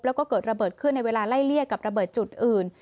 แล้วก็เกิดระเบิดขึ้นในเวลาไล่เลี่ยกับระเบิดจุดอื่น